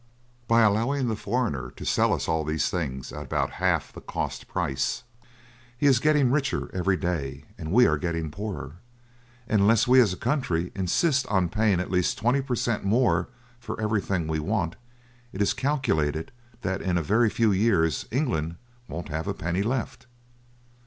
By allowing the foreigner to sell us all these things at about half the cost price, he is getting richer every day, and we are getting poorer. Unless we, as a country, insist on paying at least twenty per cent. more for everything we want, it is calculated that in a very few years England won't have a penny left."